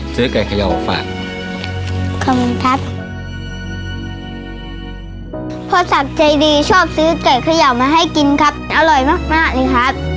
ใจดีชอบซื้อไก่เขย่ามาให้กินครับอร่อยมากเลยครับ